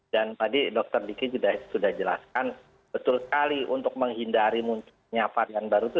dan tadi dr diki sudah jelaskan betul sekali untuk menghindari munculnya varian baru itu